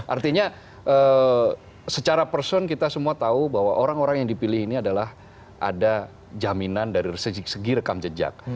artinya secara person kita semua tahu bahwa orang orang yang dipilih ini adalah ada jaminan dari segi rekam jejak